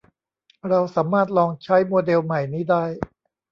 เราสามารถลองใช้โมเดลใหม่นี้ได้